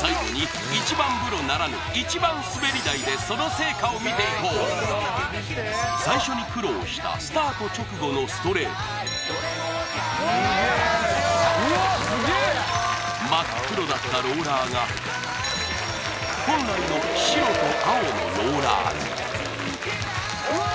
最後に一番風呂ならぬ一番すべり台でその最初に苦労したスタート直後のストレート真っ黒だったローラーが本来の白と青のローラーにうわっ！